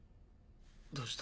どうした？